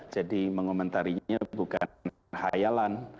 jadi mengomentarinya bukan khayalan